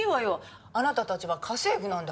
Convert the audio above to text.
あなたたちは家政婦なんだから。